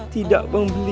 tidak bang beli